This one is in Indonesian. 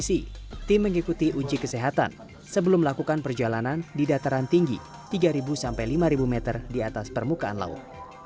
polisi tim mengikuti uji kesehatan sebelum melakukan perjalanan di dataran tinggi tiga sampai lima meter di atas permukaan laut